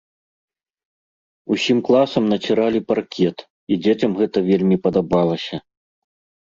Усім класам націралі паркет, і дзецям гэта вельмі падабалася.